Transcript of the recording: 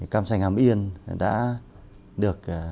cam sành ảm yên đã được